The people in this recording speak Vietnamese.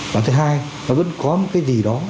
và thứ hai nó vẫn có một cái gì đó